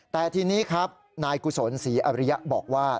แต่ทีนี้ครับนายกุศลศรีอริยะบอกว่า